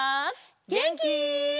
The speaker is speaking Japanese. げんき？